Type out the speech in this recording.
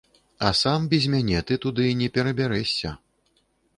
А сам без мяне ты туды не перабярэшся.